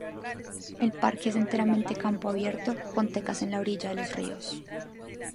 El parque es enteramente campo abierto, con tecas en la orilla de los ríos.